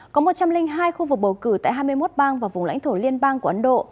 có một trăm linh hai khu vực bầu cử tại hai mươi một bang và vùng lãnh thổ liên bang của ấn độ